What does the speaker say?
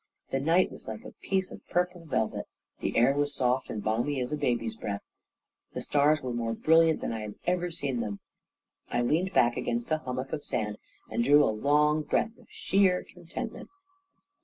The night was like a piece of purple velvet; the air was soft and balmy as a baby's breath; the stars were more brilliant than I had ever seen them. I leaned back against a hummock of sand and drew a long breath of sheer contentment.